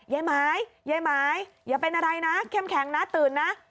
ยายหมายยายหมายอย่าเป็นอะไรนะเข้มแข็งนะตื่นนะ